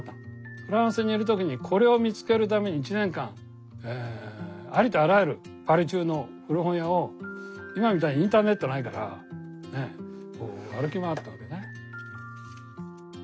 フランスにいる時にこれを見つけるために１年間ありとあらゆるパリ中の古本屋を今みたいにインターネットないからね歩き回ったわけね。